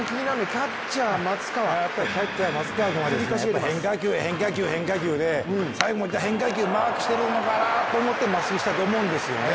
キャッチャー・松川君は変化球、変化球、変化球で最後も変化球マークしてるのかなと思ってまっすぐにしたと思うんですよね。